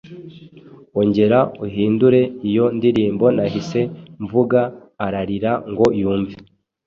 ongera uhindure iyo ndirimbo Nahise mvuga: ararira ngo yumve.